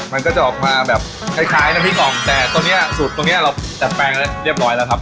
มันก็จะออกมาแบบคล้ายน้ำพริกออกแต่ตรงนี้สูตรตรงนี้เราแดดแปลงเรียบร้อยแล้วครับ